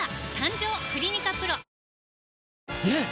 ねえ‼